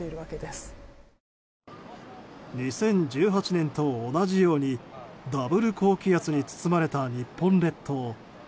２０１８年と同じようにダブル高気圧に包まれた日本列島。